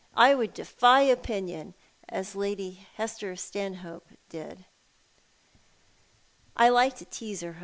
I would defy opinion, as Lady Hester StanhoDe did." I like to tease her abox